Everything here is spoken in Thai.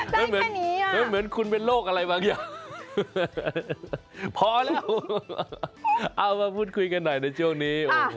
มันเหมือนคุณเป็นโรคอะไรบางอย่างพอแล้วเอามาพูดคุยกันหน่อยในช่วงนี้